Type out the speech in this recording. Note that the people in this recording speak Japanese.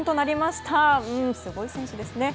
すごい選手ですね。